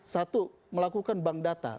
satu melakukan bank data